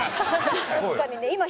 確かにね。